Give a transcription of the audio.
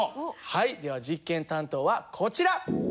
はいでは実験担当はこちら。